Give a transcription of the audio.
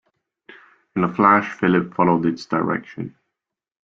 In a flash Philip followed its direction.